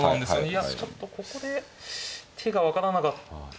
いやちょっとここで手が分からなか。